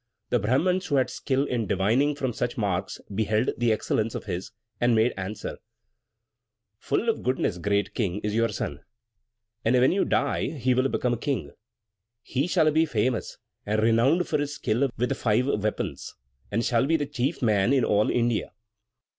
The Brahmans who had skill in divining from such marks beheld the excellence of his, and made answer: "Full of goodness, great King, is your son, and when you die he will become king; he shall be famous and renowned for his skill with the five weapons, and shall be the chief man in all India."